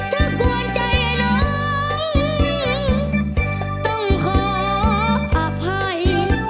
กวนใจน้องต้องขออภัย